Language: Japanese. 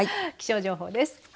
では気象情報です。